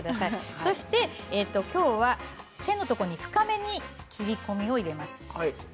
そしてきょうは背のところに深めに切り込みを入れます。